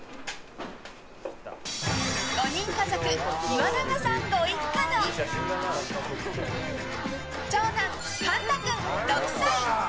５人家族、岩永さんご一家の長男・貫汰君、６歳。